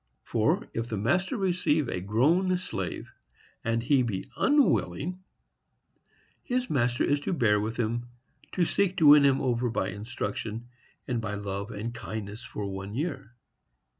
For, if the master receive a grown slave, and he be unwilling, his master is to bear with him, to seek to win him over by instruction, and by love and kindness, for one year.